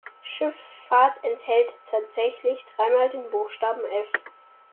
Schifffahrt enthält tatsächlich dreimal den Buchstaben F.